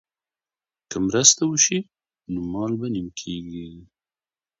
که مرسته وشي نو مال به نیم کیږي.